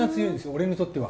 俺にとっては。